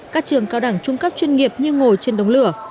các trường cao đẳng trung cấp chuyên nghiệp như ngồi trên đống lửa